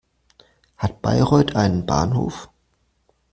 Hat Bayreuth einen Bahnhof?